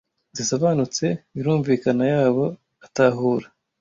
Zisobanutse Birumvikana yabo atahura !